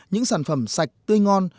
những sản phẩm sạch tươi ngon